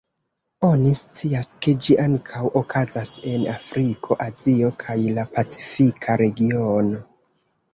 Oni scias, ke ĝi ankaŭ okazas en Afriko, Azio, kaj la Pacifika Regiono.